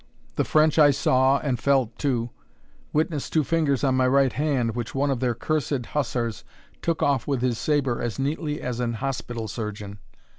The French I saw, and felt too; witness two fingers on my right hand, which one of their cursed hussars took off with his sabre as neatly as an hospital surgeon.